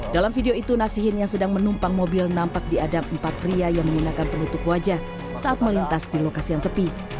dalam video itu nasihin yang sedang menumpang mobil nampak di adam empat pria yang menggunakan penutup wajah saat melintas di lokasi yang sepi